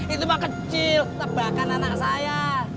itu mah kecil tebakan anak saya